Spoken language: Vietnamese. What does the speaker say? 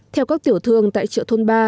theo các tiểu thương tại chợ thôn ba